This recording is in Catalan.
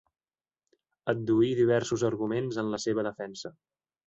Adduir diversos arguments en la seva defensa.